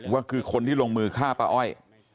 ว่าคือคนที่ลงมือฆ่าป้าอ้อย